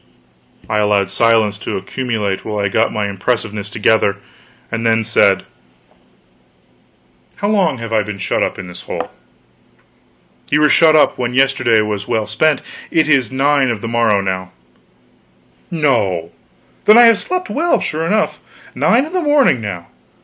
I allowed silence to accumulate while I got my impressiveness together, and then said: "How long have I been shut up in this hole?" "Ye were shut up when yesterday was well spent. It is 9 of the morning now." "No! Then I have slept well, sure enough. Nine in the morning now!